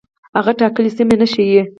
هغه ټاکلې سیمه نه ښيي.